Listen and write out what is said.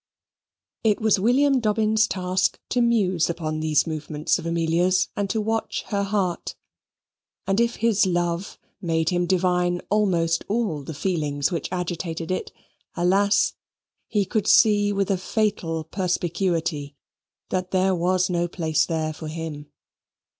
It was William Dobbin's task to muse upon these movements of Amelia's, and to watch her heart; and if his love made him divine almost all the feelings which agitated it, alas! he could see with a fatal perspicuity that there was no place there for him.